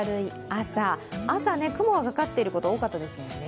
朝、雲がかかってること多かったですもんね。